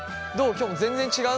きょも全然違う？